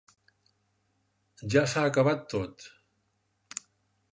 Ja s'ha acabat tot.